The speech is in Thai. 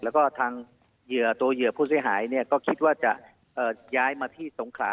แล้วก็ทางเหยื่อตัวเหยื่อผู้เสียหายก็คิดว่าจะย้ายมาที่สงขลา